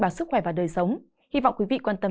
và sức khỏe và đời sống hy vọng quý vị quan tâm